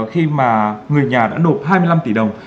khi mà người nhà đã nộp hai mươi năm tỷ đồng